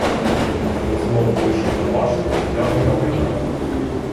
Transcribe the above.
Він знов вийшов на башту і глянув на майдан.